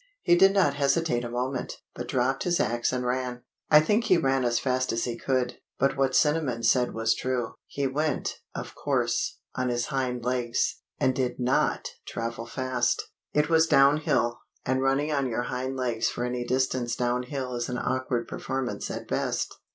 He did not hesitate a moment, but dropped his axe and ran. I think he ran as fast as he could, but what Cinnamon said was true: he went, of course, on his hind legs, and did not travel fast. It was downhill, and running on your hind legs for any distance downhill is an awkward performance at best.